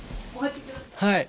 はい。